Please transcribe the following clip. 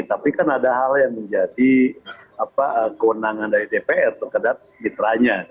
tapi kan ada hal yang menjadi kewenangan dari dpr terhadap mitranya